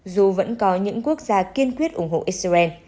dù vẫn có những quốc gia kiên quyết ủng hộ israel